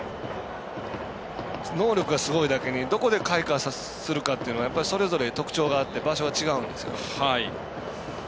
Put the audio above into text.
能力がすごいだけにどこで開花させるかそれぞれ特徴があって場所が違うんですよね。